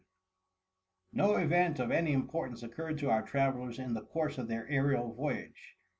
No event of any importance occurred to our travellers in the course of their aerial voyage.